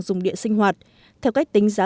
dùng điện sinh hoạt theo cách tính giá